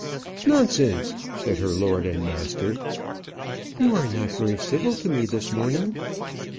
"Nonsense!" said her lord and master. "You are not very civil to me this morning."